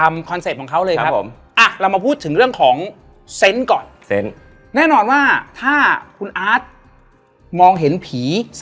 มันเป็นภาษาจีน